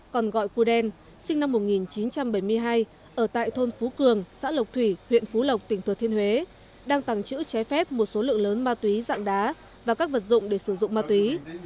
còn gọi cu đen sinh năm một nghìn chín trăm bảy mươi hai ở tại thôn phú cường xã lộc thủy huyện phú lộc tỉnh thừa thiên huế đang tàng trữ trái phép một số lượng lớn ma túy dạng đá và các vật dụng để sử dụng ma túy